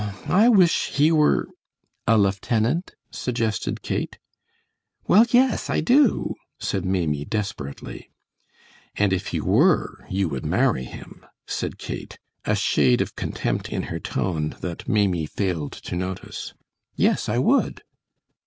Oh, I wish he were " "A lieutenant?" suggested Kate. "Well, yes, I do," said Maimie, desperately. "And if he were, you would marry him," said Kate, a shade of contempt in her tone that Maimie failed to notice. "Yes, I would."